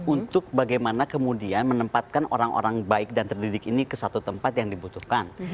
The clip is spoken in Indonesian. untuk bagaimana kemudian menempatkan orang orang baik dan terdidik ini ke satu tempat yang dibutuhkan